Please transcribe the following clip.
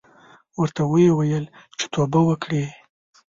ورته ویې ویل چې توبه وکړې.